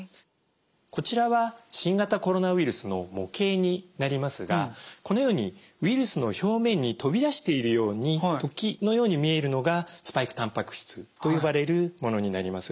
こちらは新型コロナウイルスの模型になりますがこのようにウイルスの表面に飛び出しているように突起のように見えるのがスパイクたんぱく質と呼ばれるものになります。